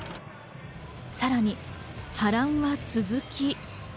さらに波乱は続き。